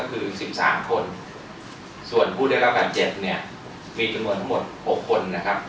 ผู้ศูนย์ระบาดเก็บมีมุดทั้งหมด๖คน